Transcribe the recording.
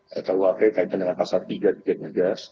saya tahu wakri kaitan dengan pasal tiga dikitnya